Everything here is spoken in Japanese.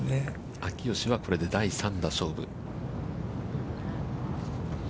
秋吉はこれ第３打勝負。